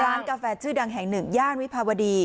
กาแฟชื่อดังแห่งหนึ่งย่านวิภาวดี